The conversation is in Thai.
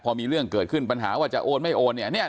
พอมีเรื่องเกิดขึ้นปัญหาว่าจะโอนไม่โอนเนี่ย